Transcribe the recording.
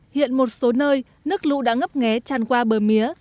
hiện một số nơi nước lũ đã ngấp nghé tràn qua bờ mía